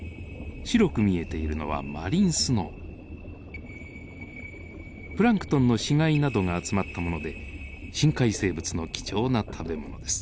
白く見えているのはプランクトンの死骸などが集まったもので深海生物の貴重な食べ物です。